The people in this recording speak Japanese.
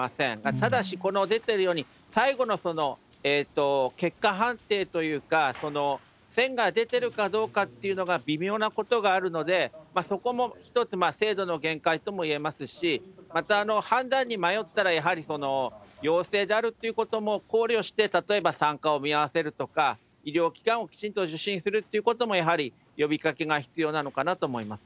ただし、出てるように、最後の結果判定というか、線が出てるかどうかっていうのが微妙なことがあるので、そこも一つ、精度の限界ともいえますし、また判断に迷ったら、やはり陽性であるっていうことも考慮して、例えば参加を見合わせるとか、医療機関をきちんと受診するっていうことも、やはり呼びかけが必要なのかなと思います。